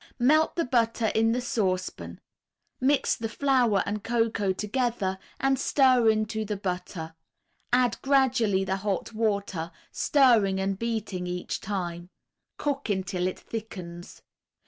Melt the butter in the saucepan; mix the flour and cocoa together and stir into the butter; add gradually the hot water, stirring and beating each time; cook until it thickens.